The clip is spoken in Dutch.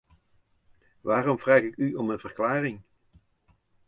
Waarom vraag ik u om een verklaring?